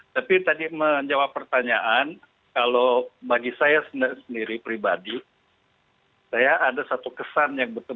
tapi tadi menjawab pertanyaan kalau bagi saya sendiri pribadi saya ada satu kesan yang betul